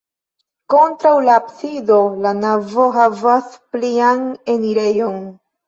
Kontraŭ la absido la navo havas plian enirejon.